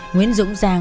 nguyễn dũng giang